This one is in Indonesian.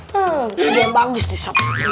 hmmm ada yang bagus nih sob